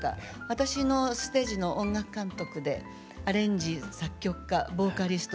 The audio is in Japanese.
私のステージの音楽監督でアレンジ作曲家ボーカリストピアニスト